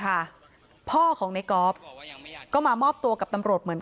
คำให้การในกอล์ฟนี่คือคำให้การในกอล์ฟนี่คือ